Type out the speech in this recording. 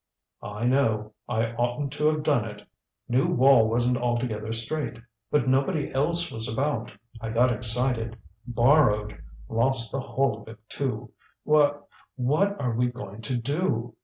"I know. I oughtn't to have done it. Knew Wall wasn't altogether straight. But nobody else was about I got excited borrowed lost the whole of it, too. Wha what are we going to do?"